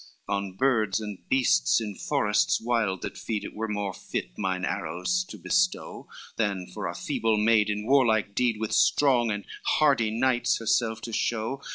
IV "On birds and beasts in forests wild that feed It were more fit mine arrows to bestow, Than for a feeble maid in warlike deed With strong and hardy knights herself to show.